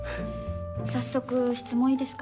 早速質問いいですか？